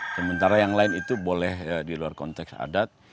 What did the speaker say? sementara yang lain itu boleh di luar konteks adat